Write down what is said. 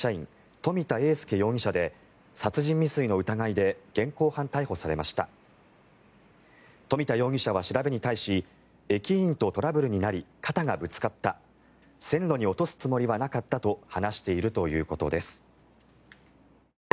冨田容疑者は調べに対し駅員とトラブルになり肩がぶつかった線路に落とすつもりはなかったと話しているということです。